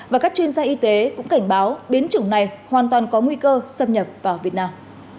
và các chuyên gia y tế cũng cảnh báo biến chủng này hoàn toàn có nguy cơ xâm nhập vào việt nam